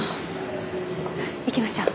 行きましょう。